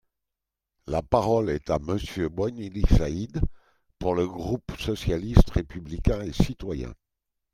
La parole est à Monsieur Boinali Said, pour le groupe socialiste, républicain et citoyen.